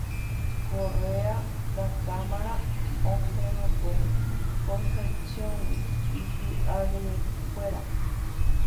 Correa da Cámara osẽʼakue Concepcióngui ipiarikuéra.